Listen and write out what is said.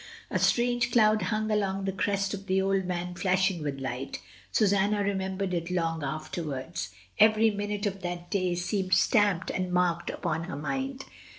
A strange cloud hung along the crest of the Old Man flashing with light. Susanna remembered it long afterwards; every minute of that day seemed stamped and marked upon her mind.